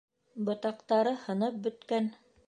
Ботаҡтары һынып бөткән.